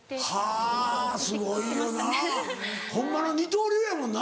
はぁすごいよなホンマの二刀流やもんな。